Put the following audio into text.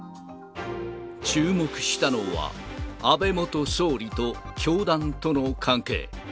注目したのは、安倍元総理と教団との関係。